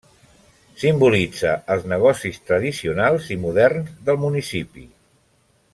Simbolitza els negocis tradicionals i moderns del municipi.